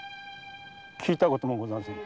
聞いたこともございません。